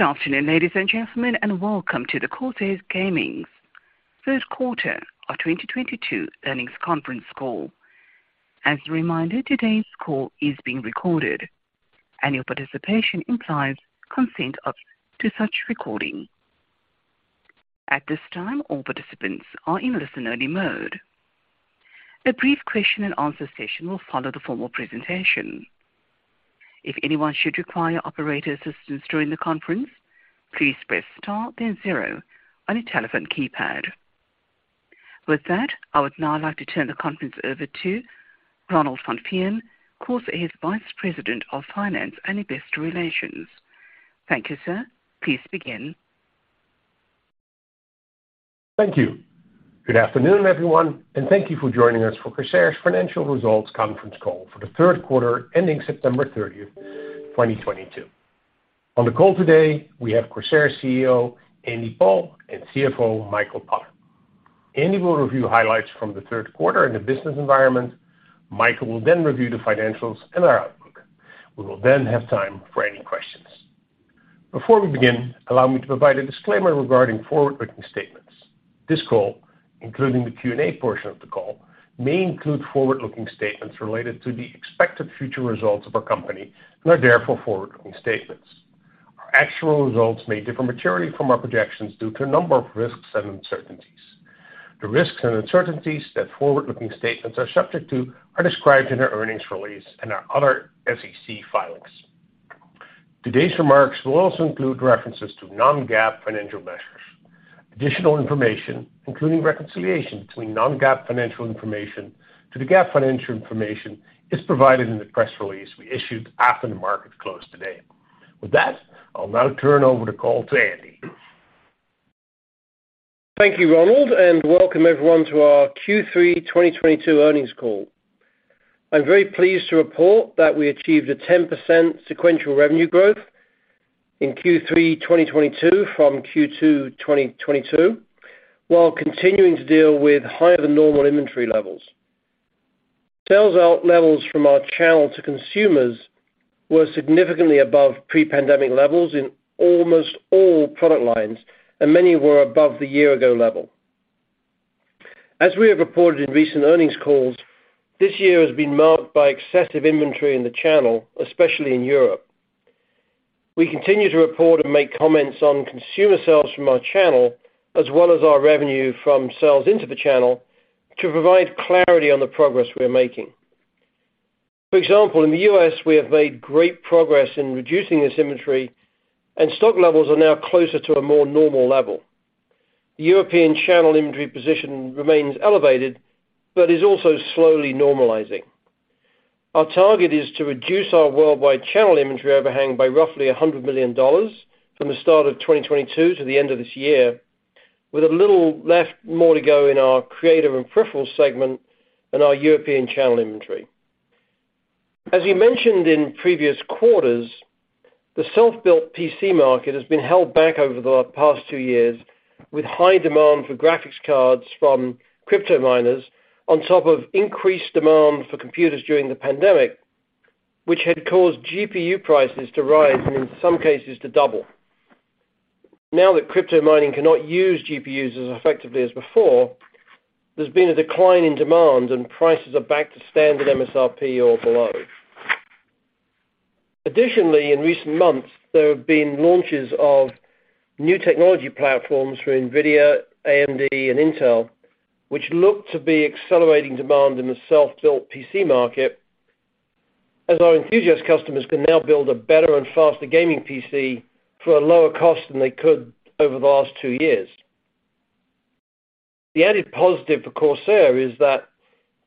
Good afternoon, ladies and gentlemen, and welcome to the Corsair Gaming's third quarter of 2022 earnings conference call. As a reminder, today's call is being recorded, and your participation implies consent to such recording. At this time, all participants are in listen-only mode. A brief question and answer session will follow the formal presentation. If anyone should require operator assistance during the conference, please press star then zero on your telephone keypad. With that, I would now like to turn the conference over to Ronald van Veen, Corsair's Vice President of Finance and Investor Relations. Thank you, sir. Please begin. Thank you. Good afternoon, everyone, and thank you for joining us for Corsair's Financial Results conference call for the third quarter ending September 30, 2022. On the call today we have Corsair CEO, Andy Paul, and CFO, Michael Potter. Andy will review highlights from the third quarter and the business environment. Michael will then review the financials and our outlook. We will then have time for any questions. Before we begin, allow me to provide a disclaimer regarding forward-looking statements. This call, including the Q&A portion of the call, may include forward-looking statements related to the expected future results of our company and are therefore forward-looking statements. Our actual results may differ materially from our projections due to a number of risks and uncertainties. The risks and uncertainties that forward-looking statements are subject to are described in our earnings release and our other SEC filings. Today's remarks will also include references to non-GAAP financial measures. Additional information, including reconciliation between non-GAAP financial information to the GAAP financial information is provided in the press release we issued after the market closed today. With that, I'll now turn over the call to Andy. Thank you, Ronald, and welcome everyone to our Q3 2022 earnings call. I'm very pleased to report that we achieved a 10% sequential revenue growth in Q3 2022 from Q2 2022, while continuing to deal with higher than normal inventory levels. Sell-out levels from our channel to consumers were significantly above pre-pandemic levels in almost all product lines, and many were above the year ago level. We have reported in recent earnings calls, this year has been marked by excessive inventory in the channel, especially in Europe. We continue to report and make comments on consumer sales from our channel, as well as our revenue from sales into the channel to provide clarity on the progress we are making. For example, in the U.S., we have made great progress in reducing this inventory and stock levels are now closer to a more normal level. The European channel inventory position remains elevated but is also slowly normalizing. Our target is to reduce our worldwide channel inventory overhang by roughly $100 million from the start of 2022 to the end of this year, with a little left more to go in our creative and peripherals segment and our European channel inventory. As we mentioned in previous quarters, the self-built PC market has been held back over the past two years with high demand for graphics cards from crypto miners on top of increased demand for computers during the pandemic, which had caused GPU prices to rise and in some cases to double. Now that crypto mining cannot use GPUs as effectively as before, there's been a decline in demand and prices are back to standard MSRP or below. Additionally, in recent months, there have been launches of new technology platforms for NVIDIA, AMD, and Intel, which look to be accelerating demand in the self-built PC market as our enthusiast customers can now build a better and faster gaming PC for a lower cost than they could over the last two years. The added positive for Corsair is that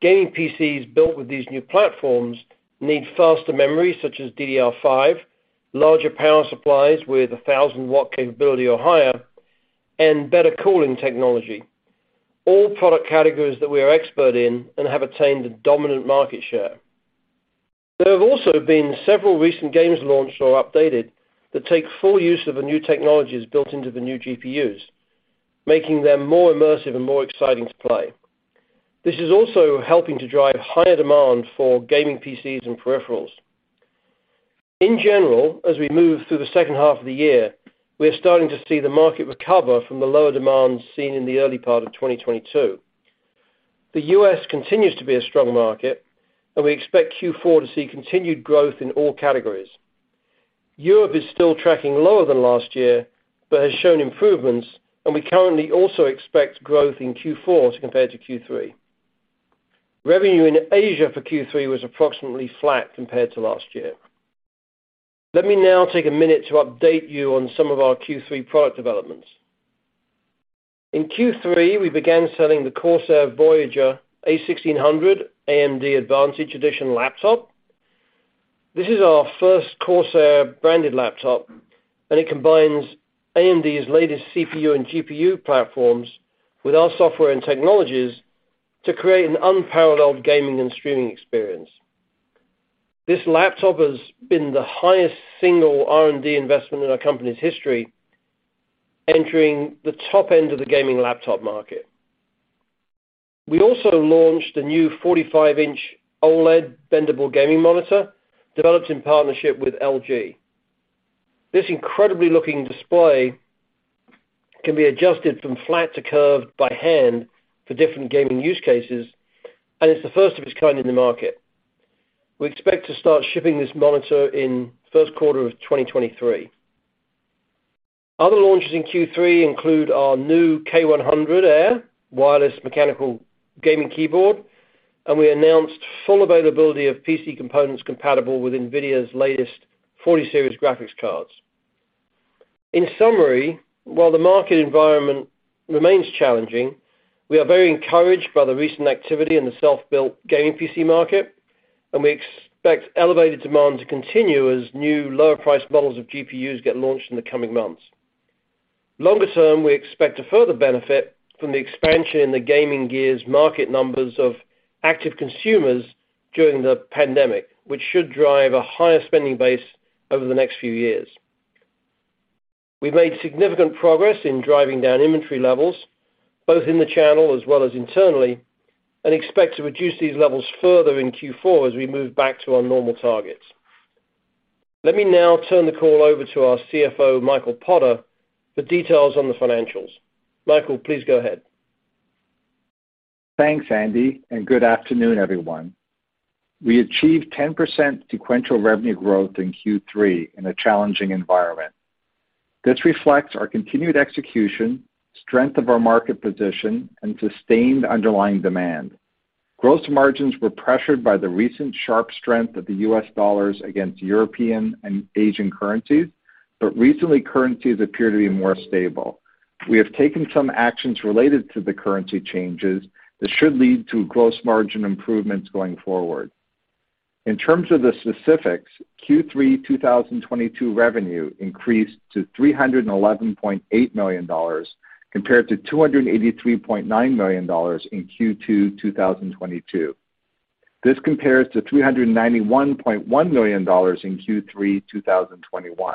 gaming PCs built with these new platforms need faster memory, such as DDR5, larger power supplies with a 1,000-watt capability or higher, and better cooling technology. All product categories that we are expert in and have attained a dominant market share. There have also been several recent games launched or updated that take full use of the new technologies built into the new GPUs, making them more immersive and more exciting to play. This is also helping to drive higher demand for gaming PCs and peripherals. In general, as we move through the second half of the year, we are starting to see the market recover from the lower demand seen in the early part of 2022. The U.S. continues to be a strong market and we expect Q4 to see continued growth in all categories. Europe is still tracking lower than last year, but has shown improvements and we currently also expect growth in Q4 as compared to Q3. Revenue in Asia for Q3 was approximately flat compared to last year. Let me now take a minute to update you on some of our Q3 product developments. In Q3, we began selling the Corsair VOYAGER a1600 AMD Advantage Edition laptop. This is our first Corsair branded laptop, and it combines AMD's latest CPU and GPU platforms with our software and technologies to create an unparalleled gaming and streaming experience. This laptop has been the highest single R&D investment in our company's history, entering the top end of the gaming laptop market. We also launched a new 45-inch OLED bendable gaming monitor developed in partnership with LG. This incredible-looking display can be adjusted from flat to curved by hand for different gaming use cases, and it's the first of its kind in the market. We expect to start shipping this monitor in first quarter of 2023. Other launches in Q3 include our new K100 AIR wireless mechanical gaming keyboard, and we announced full availability of PC components compatible with NVIDIA's latest 40 series graphics cards. In summary, while the market environment remains challenging, we are very encouraged by the recent activity in the self-built gaming PC market, and we expect elevated demand to continue as new lower price models of GPUs get launched in the coming months. Longer-term, we expect to further benefit from the expansion in the gaming gear market, number of active consumers during the pandemic, which should drive a higher spending base over the next few years. We've made significant progress in driving down inventory levels, both in the channel as well as internally, and expect to reduce these levels further in Q4 as we move back to our normal targets. Let me now turn the call over to our CFO, Michael Potter, for details on the financials. Michael, please go ahead. Thanks, Andy, and good afternoon, everyone. We achieved 10% sequential revenue growth in Q3 in a challenging environment. This reflects our continued execution, strength of our market position, and sustained underlying demand. Gross margins were pressured by the recent sharp strength of the U.S. dollars against European and Asian currencies, but recently currencies appear to be more stable. We have taken some actions related to the currency changes that should lead to gross margin improvements going forward. In terms of the specifics, Q3 2022 revenue increased to $311.8 million compared to $283.9 million in Q2 2022. This compares to $391.1 million in Q3 2021.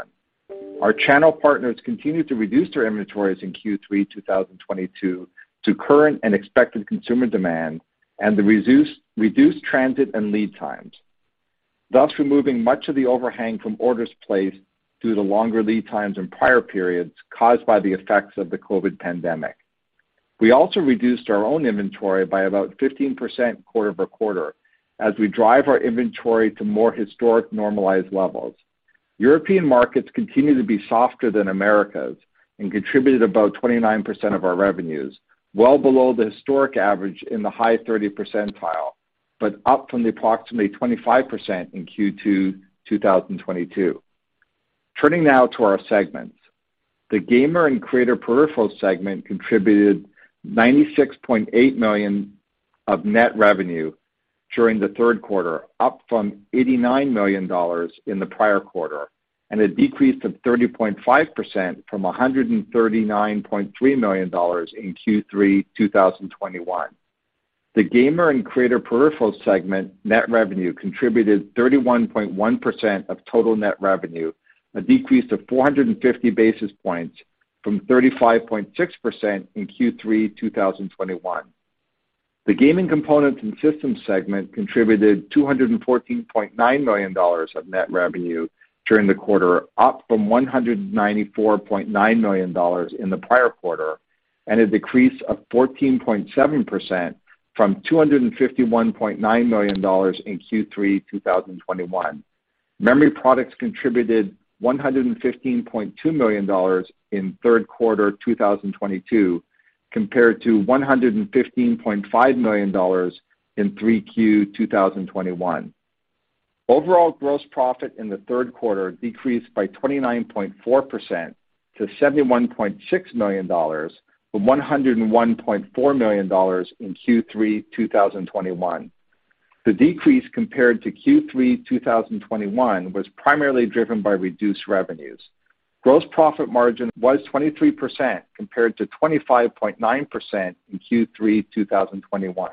Our channel partners continued to reduce their inventories in Q3 2022 to current and expected consumer demand and the reduced transit and lead times, thus removing much of the overhang from orders placed due to longer lead times in prior periods caused by the effects of the COVID pandemic. We also reduced our own inventory by about 15% quarter-over-quarter as we drive our inventory to more historic normalized levels. European markets continue to be softer than Americas and contributed about 29% of our revenues, well below the historic average in the high 30 percentile, but up from the approximately 25% in Q2 2022. Turning now to our segments. The gamer and creator peripherals segment contributed $96.8 million of net revenue during the third quarter, up from $89 million in the prior quarter, and a decrease of 30.5% from $139.3 million in Q3 2021. The gamer and creator peripherals segment net revenue contributed 31.1% of total net revenue, a decrease of 450 basis points from 35.6% in Q3 2021. The gaming components and systems segment contributed $214.9 million of net revenue during the quarter, up from $194.9 million in the prior quarter, and a decrease of 14.7% from $251.9 million in Q3 2021. Memory products contributed $115.2 million in third quarter 2022 compared to $115.5 million in 3Q 2021. Overall gross profit in the third quarter decreased by 29.4% to $71.6 million from $101.4 million in Q3 2021. The decrease compared to Q3 2021 was primarily driven by reduced revenues. Gross profit margin was 23% compared to 25.9% in Q3 2021.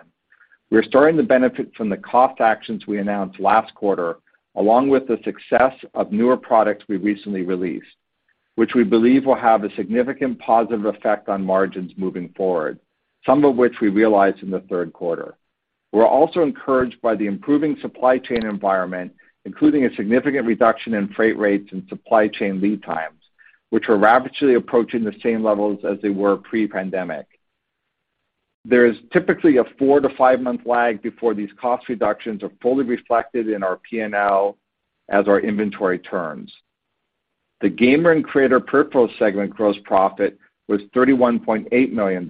We're starting to benefit from the cost actions we announced last quarter, along with the success of newer products we recently released, which we believe will have a significant positive effect on margins moving forward, some of which we realized in the third quarter. We're also encouraged by the improving supply chain environment, including a significant reduction in freight rates and supply chain lead times, which are rapidly approaching the same levels as they were pre-pandemic. There is typically a four to five-month lag before these cost reductions are fully reflected in our P&L as our inventory turns. The gamer and creator peripherals segment gross profit was $31.8 million,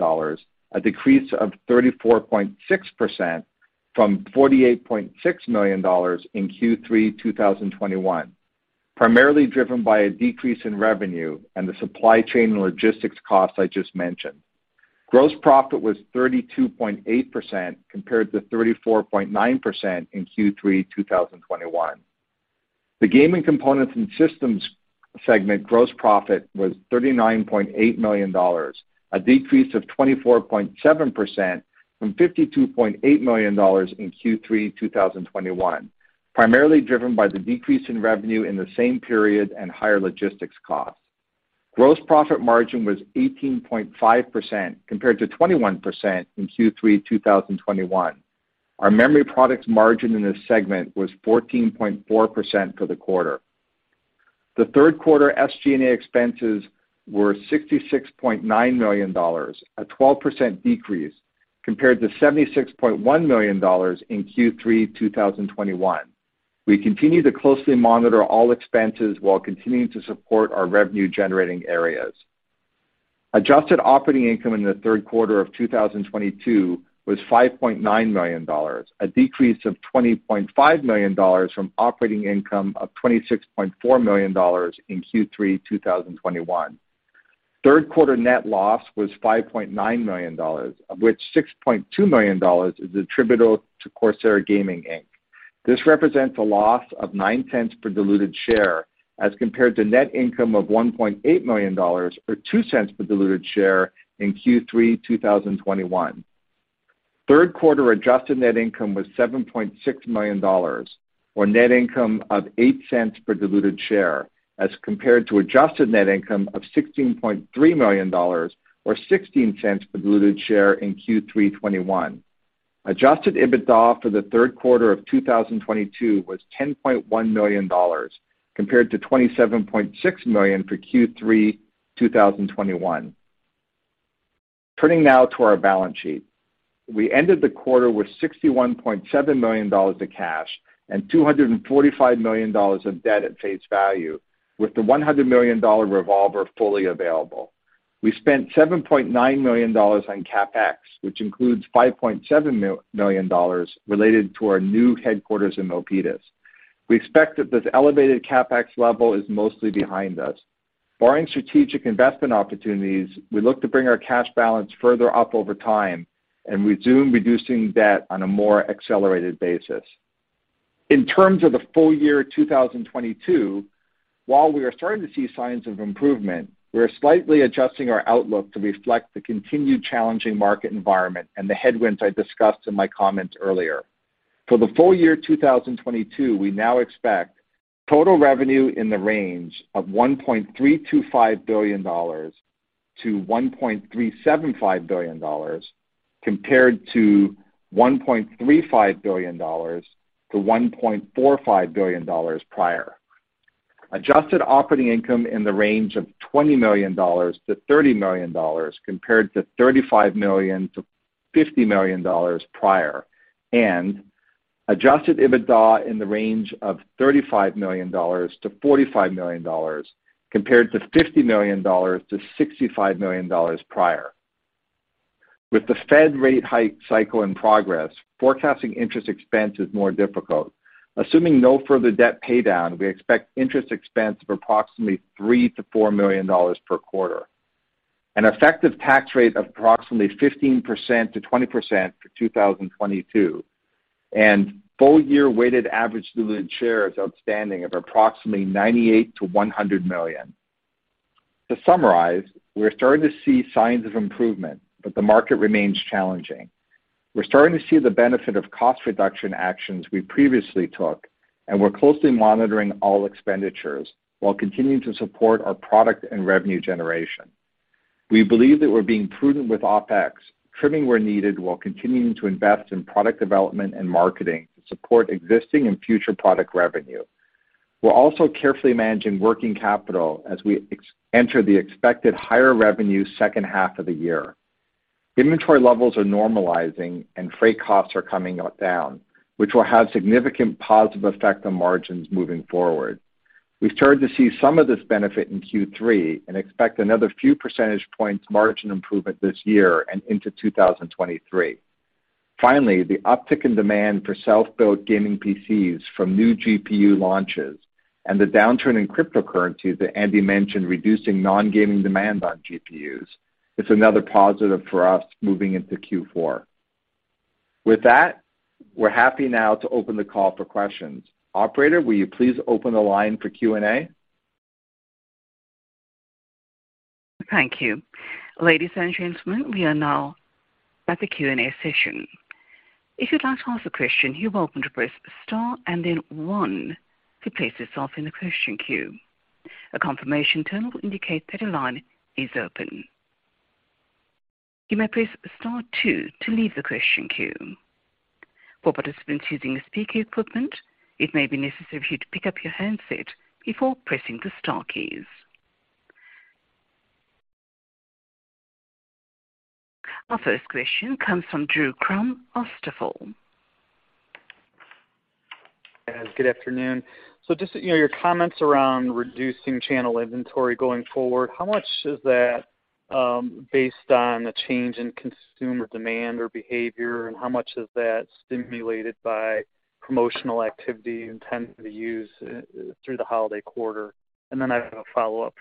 a decrease of 34.6% from $48.6 million in Q3 2021, primarily driven by a decrease in revenue and the supply chain logistics costs I just mentioned. Gross profit was 32.8% compared to 34.9% in Q3 2021. The gaming components and systems segment gross profit was $39.8 million, a decrease of 24.7% from $52.8 million in Q3 2021, primarily driven by the decrease in revenue in the same period and higher logistics costs. Gross profit margin was 18.5% compared to 21% in Q3 2021. Our memory products margin in this segment was 14.4% for the quarter. The third quarter SG&A expenses were $66.9 million, a 12% decrease compared to $76.1 million in Q3 2021. We continue to closely monitor all expenses while continuing to support our revenue-generating areas. Adjusted operating income in the third quarter of 2022 was $5.9 million, a decrease of $20.5 million from operating income of $26.4 million in Q3 2021. Third quarter net loss was $5.9 million, of which $6.2 million is attributable to Corsair Gaming, Inc. This represents a loss of $0.09 per diluted share as compared to net income of $1.8 million or $0.02 per diluted share in Q3 2021. Third quarter adjusted net income was $7.6 million or net income of $0.08 per diluted share, as compared to adjusted net income of $16.3 million or $0.16 per diluted share in Q3 2021. Adjusted EBITDA for the third quarter of 2022 was $10.1 million, compared to $27.6 million for Q3 2021. Turning now to our balance sheet. We ended the quarter with $61.7 million of cash and $245 million of debt at face value, with the $100 million revolver fully available. We spent $7.9 million on CapEx, which includes $5.7 million related to our new headquarters in Milpitas. We expect that this elevated CapEx level is mostly behind us. Barring strategic investment opportunities, we look to bring our cash balance further up over time and resume reducing debt on a more accelerated basis. In terms of the full year 2022, while we are starting to see signs of improvement, we are slightly adjusting our outlook to reflect the continued challenging market environment and the headwinds I discussed in my comments earlier. For the full year 2022, we now expect total revenue in the range of $1.325 billion-$1.375 billion, compared to $1.35 billion-$1.45 billion prior. Adjusted operating income in the range of $20 million-$30 million, compared to $35 million-$50 million prior. Adjusted EBITDA in the range of $35 million-$45 million compared to $50 million-$65 million prior. With the Fed rate hike cycle in progress, forecasting interest expense is more difficult. Assuming no further debt paydown, we expect interest expense of approximately $3-$4 million per quarter. An effective tax rate of approximately 15%-20% for 2022, and full year weighted average diluted shares outstanding of approximately 98 million-100 million. To summarize, we're starting to see signs of improvement, but the market remains challenging. We're starting to see the benefit of cost reduction actions we previously took, and we're closely monitoring all expenditures while continuing to support our product and revenue generation. We believe that we're being prudent with OpEx, trimming where needed while continuing to invest in product development and marketing to support existing and future product revenue. We're also carefully managing working capital as we enter the expected higher revenue second half of the year. Inventory levels are normalizing and freight costs are coming down, which will have significant positive effect on margins moving forward. We've started to see some of this benefit in Q3 and expect another few percentage points margin improvement this year and into 2023. Finally, the uptick in demand for self-built gaming PCs from new GPU launches and the downturn in cryptocurrency that Andy mentioned, reducing non-gaming demand on GPUs, is another positive for us moving into Q4. With that, we're happy now to open the call for questions. Operator, will you please open the line for Q&A? Thank you. Ladies and gentlemen, we are now at the Q&A session. If you'd like to ask a question, you're welcome to press star and then one to place yourself in the question queue. A confirmation tone will indicate that a line is open. You may press star two to leave the question queue. For participants using speaker equipment, it may be necessary for you to pick up your handset before pressing the star keys. Our first question comes from Drew Crum, Stifel. Yes, good afternoon. Just, you know, your comments around reducing channel inventory going forward, how much is that based on the change in consumer demand or behavior, and how much is that stimulated by promotional activity intended to use through the holiday quarter? I have a follow-up.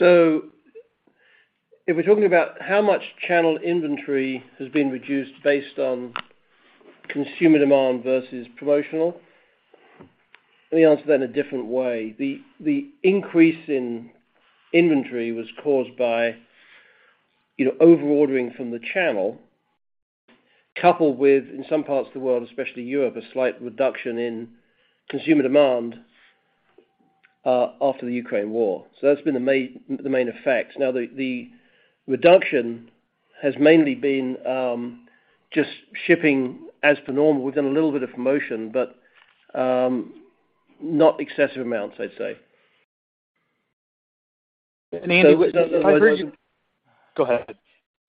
If we're talking about how much channel inventory has been reduced based on consumer demand versus promotional, let me answer that in a different way. The increase in inventory was caused by, you know, over-ordering from the channel. Coupled with, in some parts of the world, especially Europe, a slight reduction in consumer demand after the Ukraine war. That's been the main effect. Now, the reduction has mainly been just shipping as per normal. We've done a little bit of promotion, but not excessive amounts, I'd say. Andy, if I heard you. Go ahead.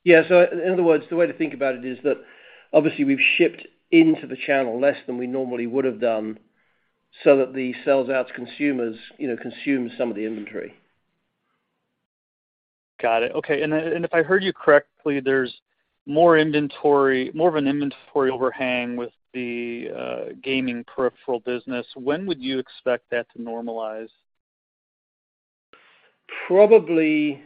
Yeah. In other words, the way to think about it is that obviously we've shipped into the channel less than we normally would have done so that the sales out to consumers, you know, consume some of the inventory. Got it. Okay. If I heard you correctly, there's more of an inventory overhang with the gaming peripheral business. When would you expect that to normalize? Probably,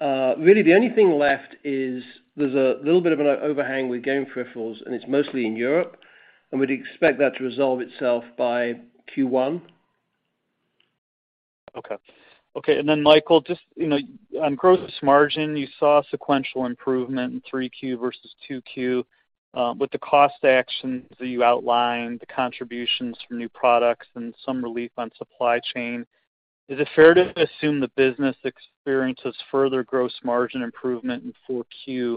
really the only thing left is there's a little bit of an overhang with game peripherals, and it's mostly in Europe, and we'd expect that to resolve itself by Q1. Okay. Michael, just, you know, on gross margin, you saw sequential improvement in 3Q versus 2Q, with the cost actions that you outlined, the contributions from new products and some relief on supply chain. Is it fair to assume the business experiences further gross margin improvement in 4Q?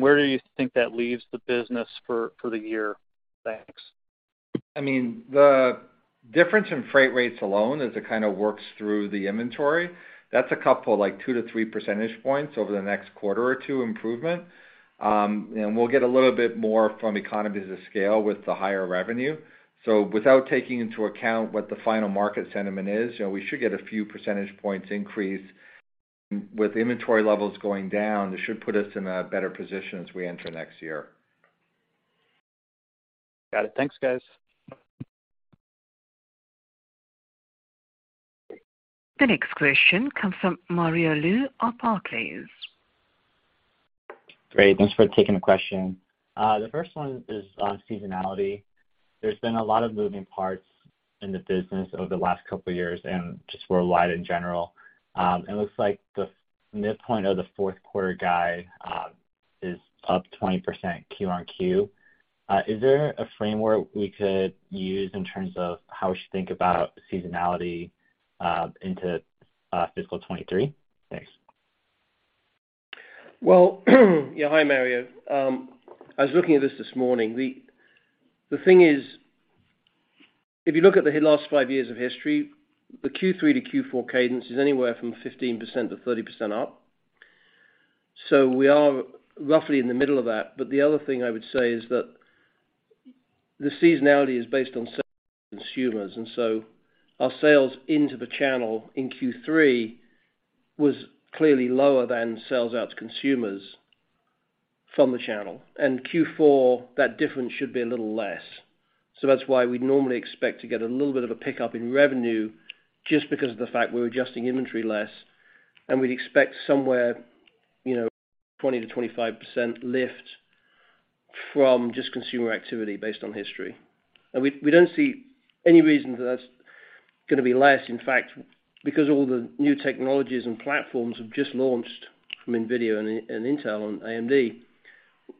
Where do you think that leaves the business for the year? Thanks. I mean, the difference in freight rates alone as it kind of works through the inventory, that's a couple, like 2-3 percentage points over the next quarter or two improvement. We'll get a little bit more from economies of scale with the higher revenue. Without taking into account what the final market sentiment is, you know, we should get a few percentage points increase. With inventory levels going down, it should put us in a better position as we enter next year. Got it. Thanks, guys. The next question comes from Mario Lu of Barclays. Great. Thanks for taking the question. The first one is on seasonality. There's been a lot of moving parts in the business over the last couple of years and just worldwide in general. It looks like the midpoint of the fourth quarter guide is up 20% Q-on-Q. Is there a framework we could use in terms of how we should think about seasonality into fiscal 2023? Thanks. Well, yeah. Hi, Mario. I was looking at this morning. The thing is, if you look at the last five years of history, the Q3 to Q4 cadence is anywhere from 15%-30% up, so we are roughly in the middle of that. The other thing I would say is that the seasonality is based on sales to consumers, and so our sales into the channel in Q3 was clearly lower than sales out to consumers from the channel. Q4, that difference should be a little less. That's why we'd normally expect to get a little bit of a pickup in revenue just because of the fact we're adjusting inventory less, and we'd expect somewhere, you know, 20%-25% lift from just consumer activity based on history. We don't see any reason that that's gonna be less. In fact, because all the new technologies and platforms have just launched from NVIDIA and Intel and AMD,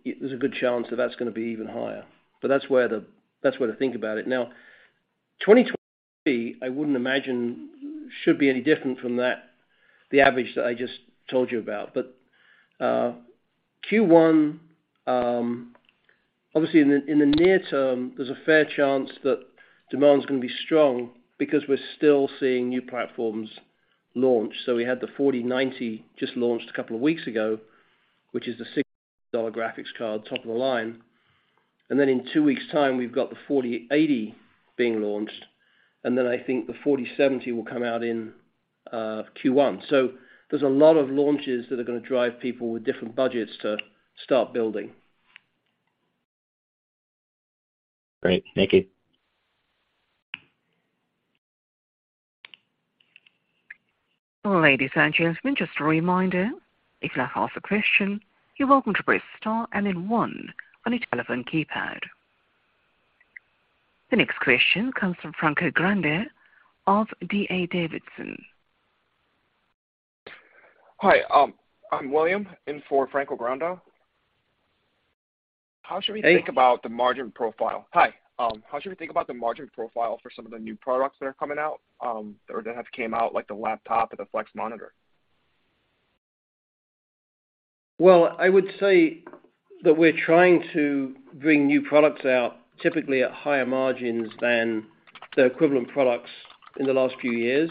it was a good chance that that's gonna be even higher. But that's where to think about it. Now, 2023, I wouldn't imagine should be any different from that, the average that I just told you about. But Q1, obviously in the near term, there's a fair chance that demand's gonna be strong because we're still seeing new platforms launch. We had the 4090 just launched a couple of weeks ago, which is the $600 graphics card, top of the line. Then in two weeks' time, we've got the 4080 being launched, and then I think the 4070 will come out in Q1. There's a lot of launches that are gonna drive people with different budgets to start building. Great. Thank you. Ladies and gentlemen, just a reminder, if you'd like to ask a question, you're welcome to press star and then one on your telephone keypad. The next question comes from Franco Granda of D.A. Davidson. Hi. I'm William in for Franco Granda. How should we think about? Hey. The margin profile? Hi. How should we think about the margin profile for some of the new products that are coming out, or that have came out, like the laptop or the flex monitor? Well, I would say that we're trying to bring new products out typically at higher margins than the equivalent products in the last few years.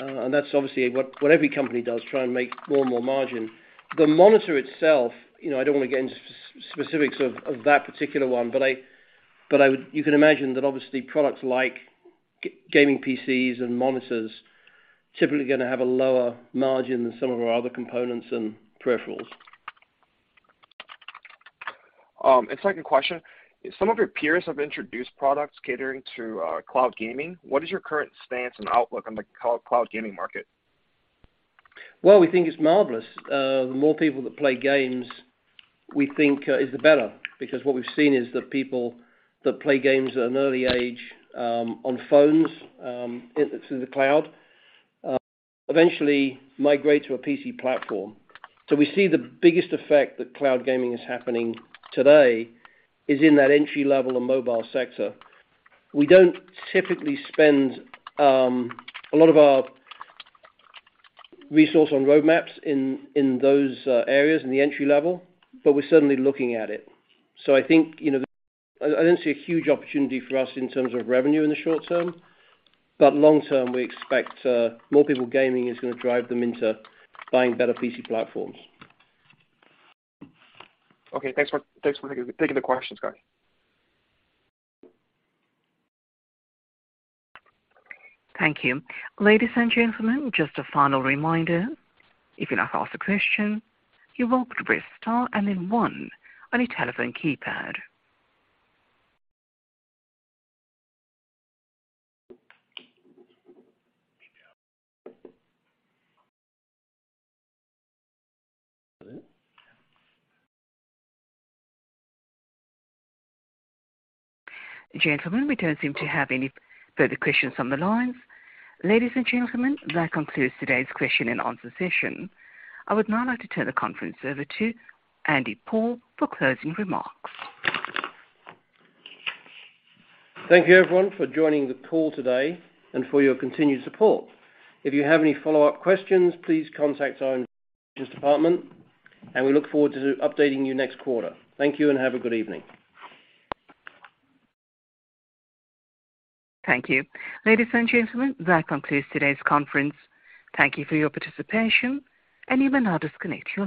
That's obviously what every company does, try and make more and more margin. The monitor itself, you know, I don't wanna get into specifics of that particular one, but I would, you can imagine that obviously products like gaming PCs and monitors typically are gonna have a lower margin than some of our other components and peripherals. Second question, some of your peers have introduced products catering to cloud gaming. What is your current stance and outlook on the cloud gaming market? Well, we think it's marvelous. The more people that play games, we think, is the better, because what we've seen is that people that play games at an early age, on phones, through the cloud, eventually migrate to a PC platform. We see the biggest effect that cloud gaming is happening today is in that entry-level and mobile sector. We don't typically spend a lot of our resource on roadmaps in those areas in the entry-level, but we're certainly looking at it. I think, you know, I don't see a huge opportunity for us in terms of revenue in the short term, but long term, we expect more people gaming is gonna drive them into buying better PC platforms. Okay. Thanks for taking the questions, guys. Thank you. Ladies and gentlemen, just a final reminder, if you'd like to ask a question, you're welcome to press star and then one on your telephone keypad. Gentlemen, we don't seem to have any further questions on the lines. Ladies and gentlemen, that concludes today's question and answer session. I would now like to turn the conference over to Andy Paul for closing remarks. Thank you, everyone, for joining the call today and for your continued support. If you have any follow-up questions, please contact our Investor Relations department, and we look forward to updating you next quarter. Thank you and have a good evening. Thank you. Ladies and gentlemen, that concludes today's conference. Thank you for your participation, and you may now disconnect your line.